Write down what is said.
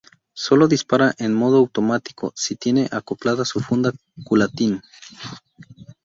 Solo disparará en modo automático si tiene acoplada su funda-culatín.